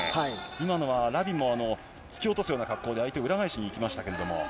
今のはラビも突き落とすような格好で、相手を裏返しにいきました